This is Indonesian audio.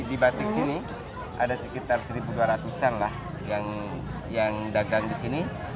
di batik sini ada sekitar satu dua ratus an lah yang dagang di sini